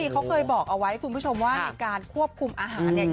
เขาเคยบอกเอาไว้คุณผู้ชมว่าในการควบคุมอาหารเนี่ย